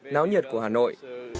náo nhiệt của hà nội